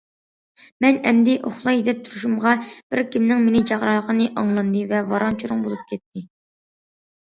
مەن ئەمدى ئۇخلاي دەپ تۇرۇشۇمغا، بىركىمنىڭ مېنى چاقىرىۋاتقانلىقى ئاڭلاندى ۋە ۋاراڭ- چۇرۇڭ بولۇپ كەتتى.